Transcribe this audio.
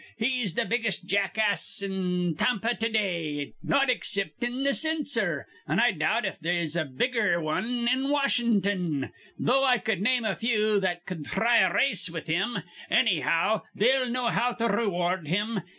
He's th' biggest jackass in Tampa to day, not exciptin' th' cinsor; an' I doubt if they'se a bigger wan in Wash'n'ton, though I cud name a few that cud thry a race with him. Annyhow, they'll know how to reward him.